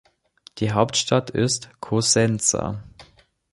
Die Hauptstadt ist Cosenza.